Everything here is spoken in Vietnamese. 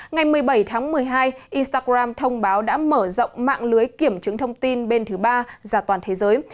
ngày một mươi bảy tháng một mươi hai instagram thông báo đã mở rộng mạng lưới kiểm chứng thông tin bên thứ ba ra toàn thế giới